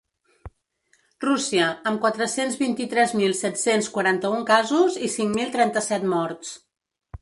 Rússia, amb quatre-cents vint-i-tres mil set-cents quaranta-un casos i cinc mil trenta-set morts.